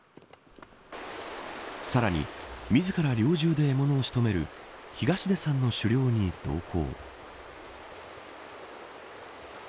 さらに自ら猟銃で獲物を仕留める東出さんの狩猟に同行。